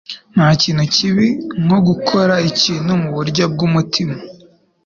Ntakintu kibi nko gukora ikintu muburyo bwumutima.